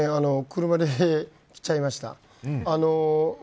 車で来ちゃいました。